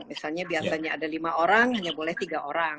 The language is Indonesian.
misalnya biasanya ada lima orang hanya boleh tiga orang